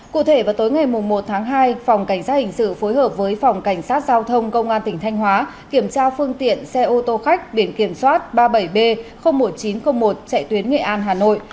cụ thể vào tối ngày một tháng hai phòng cảnh sát hình sự phối hợp với phòng cảnh sát giao thông công an tỉnh thanh hóa kiểm tra phương tiện xe ô tô khách biển kiểm soát ba mươi bảy b một nghìn chín trăm linh một chạy tuyến nghệ an hà nội